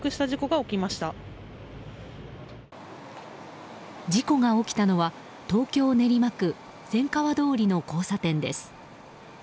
事故が起きたのは東京・練馬区千川通りの交差点です。